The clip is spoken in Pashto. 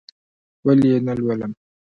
ولې یې نه لولم؟!